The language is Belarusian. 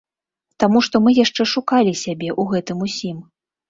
Таму што мы яшчэ шукалі сябе ў гэтым усім.